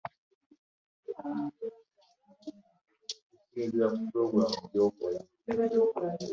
Bakadde baffe abo baatunuuliranga ebintu bingi nga tebannaba kukasa muntu anaatwala omwana waabwe.